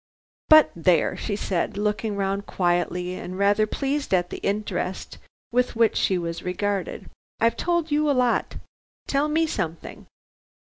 But there," she said, looking round quietly and rather pleased at the interest with which she was regarded, "I've told you a lot. Tell me something!"